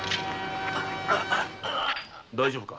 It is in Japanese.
大丈夫か？